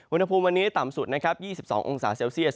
อุณหภูมิวันนี้ต่ำสุดนะครับ๒๒องศาเซลเซียส